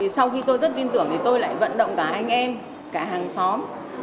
sau khi tôi rất tin tưởng thì tôi lại vận động cả anh em cả hàng xóm